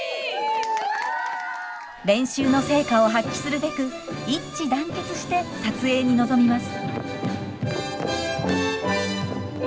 練習の成果を発揮するべく一致団結して撮影に臨みます。